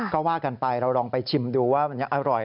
ก็ว่ากันไปเราลองไปชิมดูว่ามันยังอร่อย